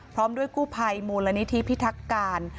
พร้อมด้วยกู้ภัยมูลนิธิพิทักการ